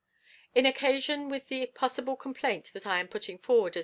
In connection with the possible complaint that I am putting forward as M.